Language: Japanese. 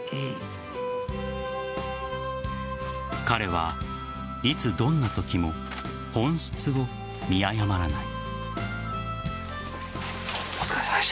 彼は、いつどんなときも本質を見誤らない。